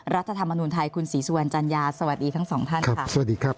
รัฐธรรมนุนไทยคุณศรีสุวรรณจัญญาสวัสดีทั้งสองท่านค่ะสวัสดีครับ